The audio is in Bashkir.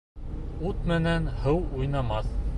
Ут менән һыу уйнамаҫ.